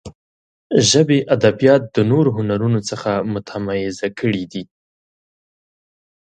ژبې ادبیات د نورو هنرونو څخه متمایزه کړي دي.